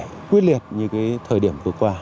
hạ tải quyết liệt như thời điểm vừa qua